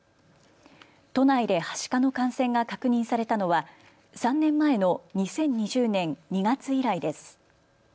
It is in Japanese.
都内ではしかの感染が確認されたのは３年前の２０２０年２月以来です。